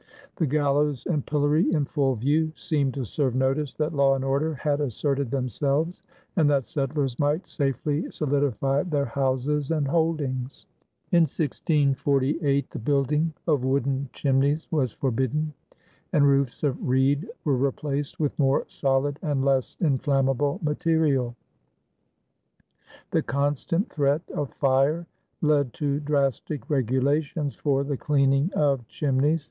The gallows and pillory, in full view, seemed to serve notice that law and order had asserted themselves and that settlers might safely solidify their houses and holdings. In 1648 the building of wooden chimneys was forbidden, and roofs of reed were replaced with more solid and less inflammable material. The constant threat of fire led to drastic regulations for the cleaning of chimneys.